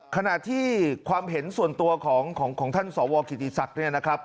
ขณะที่ความเห็นส่วนตัวของท่านสวกิติศักดิ์เนี่ยนะครับ